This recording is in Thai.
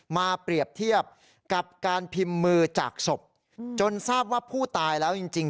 มาเปรียบเทียบกับการพิมพ์มือจากศพจนทราบว่าผู้ตายแล้วจริงจริง